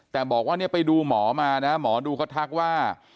แต่บอกว่าเนี่ยไปดูหมอมานะหมอดูเขาทักว่า